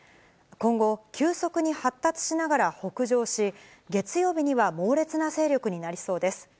今後、急速に発達しながら北上し、月曜日には猛烈な勢力になりそうです。